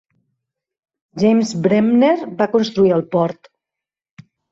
James Bremner va construir el port.